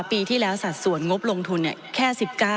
ปีที่แล้วสัดส่วนงบลงทุนแค่๑๙